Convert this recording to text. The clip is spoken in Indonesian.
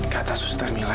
kata suster mila